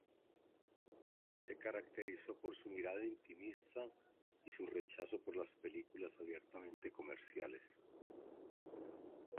Se caracterizó por su mirada intimista y su rechazo por las películas abiertamente comerciales.